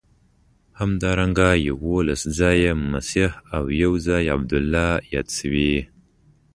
همدارنګه یوولس ځایه مسیح او یو ځای عبدالله یاد شوی.